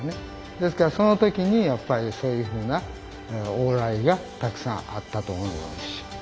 ですからその時にやっぱりそういうふうな往来がたくさんあったと思う。